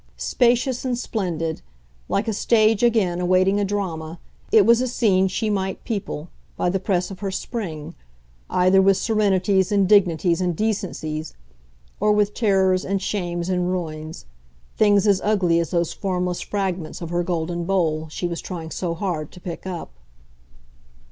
Spacious and splendid, like a stage again awaiting a drama, it was a scene she might people, by the press of her spring, either with serenities and dignities and decencies, or with terrors and shames and ruins, things as ugly as those formless fragments of her golden bowl she was trying so hard to pick up.